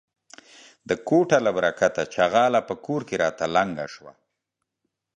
د کوټه له برکته ،چغاله په کور کې راته لنگه سوه.